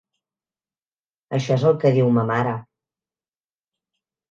Això és el que diu ma mare.